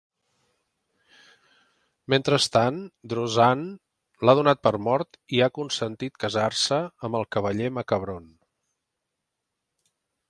Mentrestant, Druzane l'ha donat per mort i ha consentit casar-se amb el cavaller Macabron.